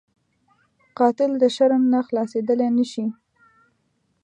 قاتل د شرم نه خلاصېدلی نه شي